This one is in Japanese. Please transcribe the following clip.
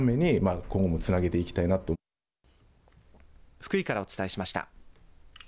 福井からお伝えしました。